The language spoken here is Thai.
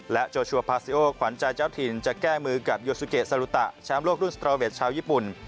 โจชัวพาซิโอขวัญใจเจ้าถิ่นจะแก้มือกับโยซูเกะซารุตะแชมป์โลกรุ่นสตรอเวทชาวญี่ปุ่น